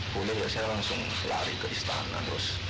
boleh saya langsung lari ke istana terus